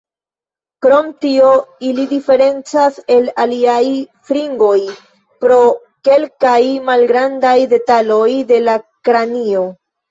Krom tio, ili diferencas el aliaj fringoj pro kelkaj malgrandaj detaloj de la kranio.